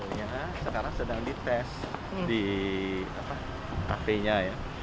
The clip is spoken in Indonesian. hasilnya sekarang sedang dites di cafe nya ya